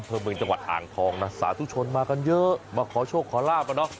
อำเภอเมืองจังหวัดอ่างทองนะสาธุชนมากันเยอะมาขอโชคขอลาบอ่ะเนอะ